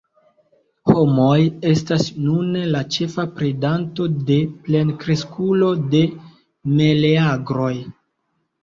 Homoj estas nune la ĉefa predanto de plenkreskulo de meleagroj.